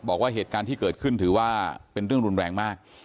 บอกว่าเหตุการณ์ที่เกิดขึ้นถือว่าเป็นเรื่องรุนแรงมาก